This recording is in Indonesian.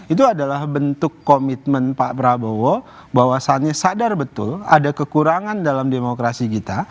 itu adalah bentuk komitmen pak prabowo bahwasannya sadar betul ada kekurangan dalam demokrasi kita